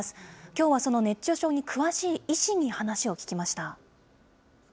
きょうはその熱中症に詳しい医師に話を聞きました。